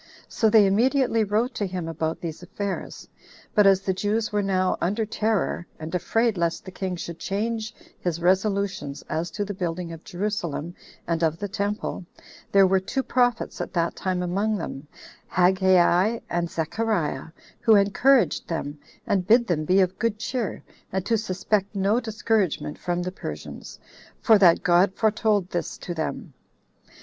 So they immediately wrote to him about these affairs; but as the Jews were now under terror, and afraid lest the king should change his resolutions as to the building of Jerusalem and of the temple, there were two prophets at that time among them, Haggai and Zechariah, who encouraged them, and bid them be of good cheer, and to suspect no discouragement from the Persians, for that God foretold this to them.